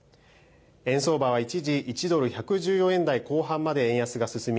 円相場は一時１ドル１１４円台後半まで円安が進み